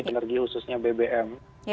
energi khususnya bbm